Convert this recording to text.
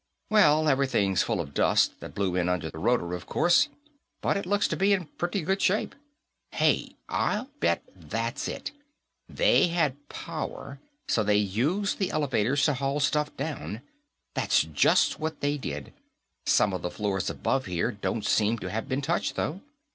"Well, everything's full of dust that blew in under the rotor, of course, but it looks to be in pretty good shape. Hey, I'll bet that's it! They had power, so they used the elevators to haul stuff down. That's just what they did. Some of the floors above here don't seem to have been touched, though."